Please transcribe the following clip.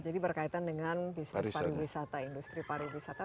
berkaitan dengan bisnis pariwisata industri pariwisata